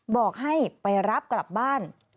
บอกให้ไปรับกลับบ้าน